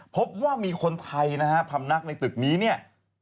พบว่ามีคนไทยพรรมนักในตึกนี้